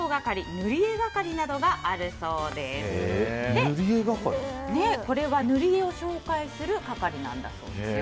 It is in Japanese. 塗り絵係は塗り絵を紹介する係なんだそうですよ。